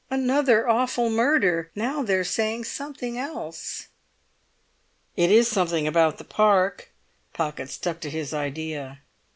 'Another awful murder!' Now they're saying something else." "It is something about the Park." Pocket stuck to his idea.